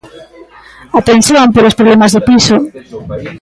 A tensión polos problemas do piso.